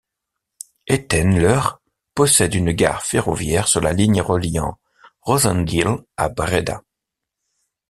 Etten-Leur possède une gare ferroviaire sur la ligne reliant Rosendael à Bréda.